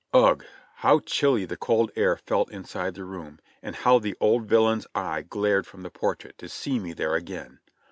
Ugh ! How chilly the cold air felt inside the room ; and how the old villain's eye glared from the portrait, to see me there again.